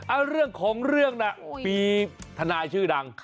เรื่องของเรื่องน่ะมีทนายชื่อดัง